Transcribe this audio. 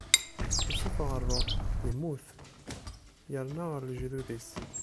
Issufeɣ ṛṛuḥ, immut, yerna ɣer lejdud-is.